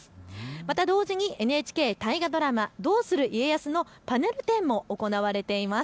また同時にＮＨＫ大河ドラマどうする家康のパネル展も行われています。